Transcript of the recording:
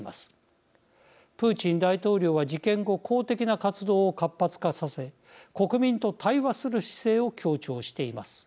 プーチン大統領は事件後公的な活動を活発化させ国民と対話する姿勢を強調しています。